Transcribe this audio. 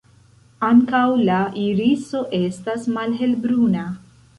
Ankaŭ la iriso estas malhelbruna.